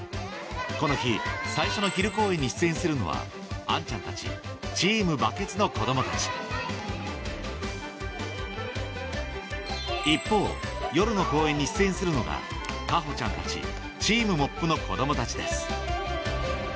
この日最初の昼公演に出演するのは杏ちゃんたちチーム・バケツの子供たち一方夜の公演に出演するのが花帆ちゃんたちチーム・モップの子供たちです